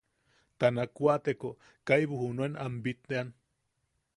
Ta nakwateko kaibu junuen am bitʼean.